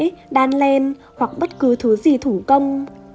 vẽ đan len hoặc bất cứ thứ gì thủ công